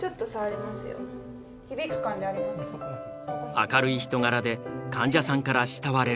明るい人柄で患者さんから慕われる。